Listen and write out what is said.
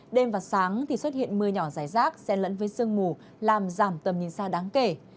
đêm và sáng thì xuất hiện mưa nhỏ rải rác xe lẫn với sương mù làm giảm tầm nhìn xa đáng kể